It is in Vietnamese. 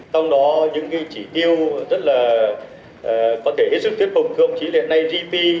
trong đó những chỉ tiêu rất là có thể hết sức thiết phục của ông chí luyện này gp